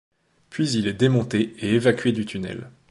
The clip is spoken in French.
Puis il est démonté et évacué du tunnel.